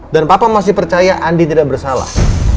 dan papa masih percaya andi tidak bersalah